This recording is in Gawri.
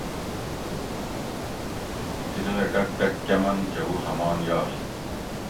شِیدلہ ڈۤک ڈۤک کۤمن جوؤ ہمان یائی